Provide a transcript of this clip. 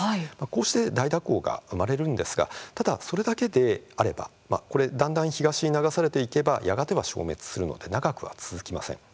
こうして大蛇行が生まれるんですがただ、それだけであればだんだん東に流されていけばやがては消滅するので長くは続きません。